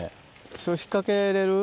それを引っかけれる？